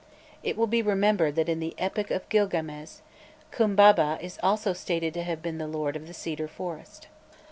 It will be remembered that in the Epic of Gil games, Khumbaba also is stated to have been the lord of the "cedar forest."